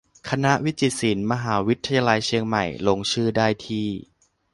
คณะวิจิตรศิลป์ มหาวิทยาลัยเชียงใหม่ ลงชื่อได้ที่